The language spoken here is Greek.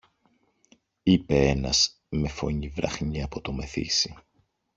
είπε ένας με φωνή βραχνή από το μεθύσι.